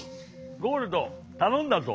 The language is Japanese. ゴールドたのんだぞ。